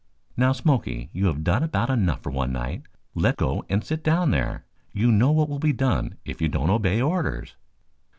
"Now, Smoky, you have done about enough for one night. Let go and sit down there. You know what will be done if you don't obey orders."